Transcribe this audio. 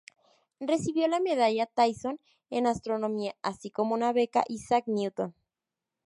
Recibió la Medalla Tyson en astronomía, así como una beca Isaac Newton.